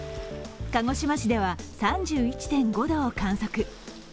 鹿児島市では３１．５度を観測。